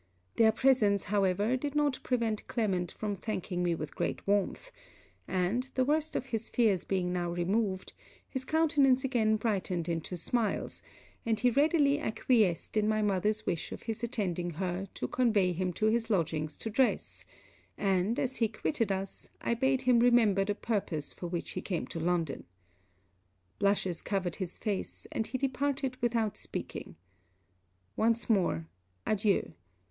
Their presence, however, did not prevent Clement from thanking me with great warmth; and, the worst of his fears being now removed, his countenance again brightened into smiles, and he readily acquiesced in my mother's wish of his attending her to convey him to his lodgings to dress, and, as he quitted us, I bade him remember the purpose for which he came to London. Blushes covered his face, and he departed without speaking. Once more, adieu!